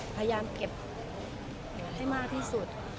พยายามเก็บให้มากที่สุด